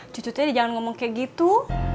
cucutnya dia jangan ngomong kayak gitu